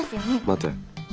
待て。